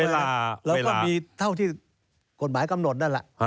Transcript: แล้วก็มีเท่าที่กฎหมายกำหนดนั่นแหละ